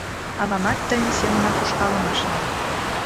Авамат тыйын семынак ушкалым ашна.